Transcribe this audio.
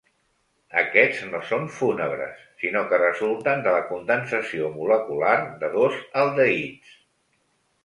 Aquests no són fúnebres, sinó que resulten de la condensació molecular de dos aldehids.